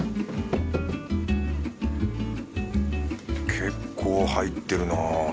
結構入ってるなぁ。